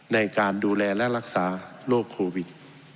ในการดูแลและรักษาโรคโควิด